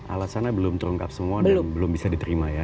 alasannya belum terungkap semua dan belum bisa diterima ya